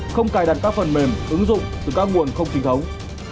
không cài đặt các phần mềm ứng dụng từ các nguồn không chính thống